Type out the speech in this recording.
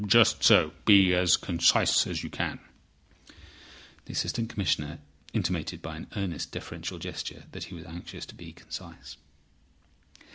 "Just so. Be as concise as you can." The Assistant Commissioner intimated by an earnest deferential gesture that he was anxious to be concise.